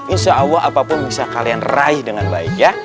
insya allah apapun bisa kalian raih dengan baik ya